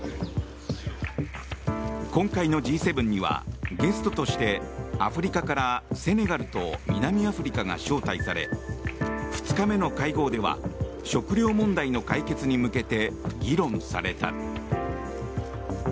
今回のＧ７にはゲストとしてアフリカからセネガルと南アフリカが招待され２日目の会合では食糧問題の解決に向けて議論された。